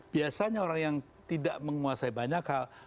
biasanya orang yang tidak menguasai banyak hal